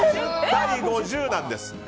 ５０対５０なんです。